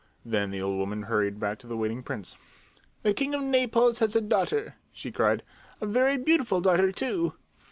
Then the old woman hurried back to the waiting prince. "The king of Naples has a daughter!" she cried. "A very beautiful daughter, too!"